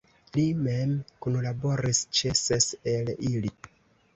Li mem kunlaboris ĉe ses el ili.